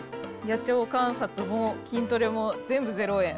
野鳥観察も筋トレも、全部ゼロ円？